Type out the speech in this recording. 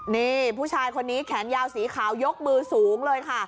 นี่ผู้ชายคนนี้แขนยาวสีขาวยกมือสูงเลยค่ะ